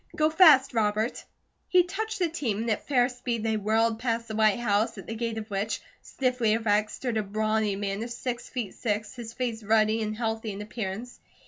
"Go fast, Robert." He touched the team and at fair speed they whirled past the white house, at the gate of which, stiffly erect, stood a brawny man of six feet six, his face ruddy and healthy in appearance.